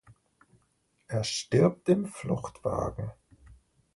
Er stirbt im Fluchtwagen.